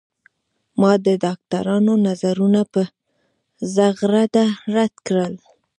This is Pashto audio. ما د ډاکترانو نظرونه په زغرده رد کړل.